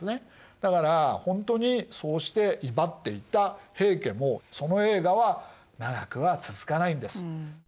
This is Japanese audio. だからほんとにそうして威張っていた平家もその栄華は長くは続かないんです。